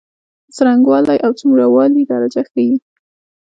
د څرنګوالی او څومره والي درجه ښيي.